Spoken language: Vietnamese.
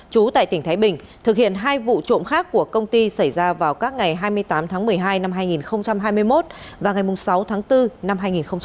chú tại tỉnh thái bình thực hiện hai vụ trộm khác của công ty xảy ra vào các ngày hai mươi tám tháng một mươi hai năm hai nghìn hai mươi một và ngày sáu tháng bốn năm hai nghìn hai mươi ba